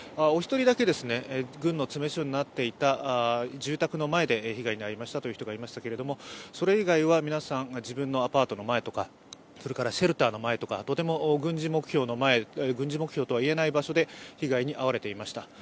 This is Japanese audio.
お一人だけ軍の詰め所になっていた住宅の前で被害に遭いましたという人がいましたけれども、それ以外は皆さん、自分のアパートの前とか、シェルターの前とか、とても軍事目標とは言えない場所で被害に遭われていました。